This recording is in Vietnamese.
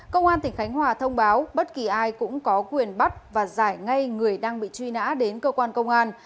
công an tỉnh khánh hòa thông báo bất kỳ ai cũng có quyền bắt và giải ngay người đang bị truy nã đến cơ quan công an